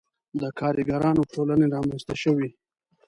• د کارګرانو ټولنې رامنځته شوې.